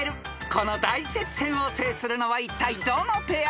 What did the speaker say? ［この大接戦を制するのはいったいどのペア？］